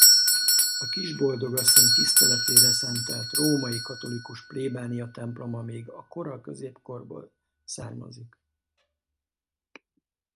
A Kisboldogasszony tiszteletére szentelt római katolikus plébániatemploma még a kora középkorból származik.